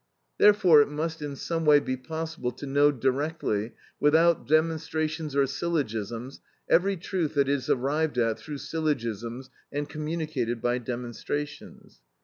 Therefore it must in some way be possible to know directly without demonstrations or syllogisms every truth that is arrived at through syllogisms and communicated by demonstrations.